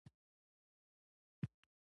د خوشال خان خټک تر مشرۍ لاندې خوځښت